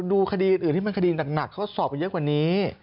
ดูคดีอื่นที่มันคดีหนักเขาสอบไปเยอะกว่านี้